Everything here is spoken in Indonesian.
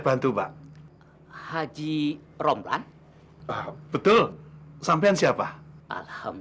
besok hari lebaran harinya memakan